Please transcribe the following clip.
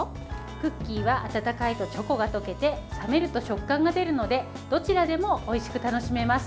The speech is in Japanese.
クッキーは温かいとチョコが溶けて冷めると食感が出るのでどちらでもおいしく楽しめます。